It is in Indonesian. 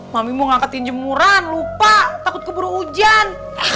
mami mau ngangkatin jemuran lupa takut keburu ujan